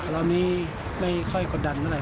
รอบนี้ไม่ค่อยกดดันเมื่อไหร่